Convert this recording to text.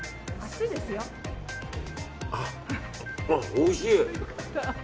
おいしい！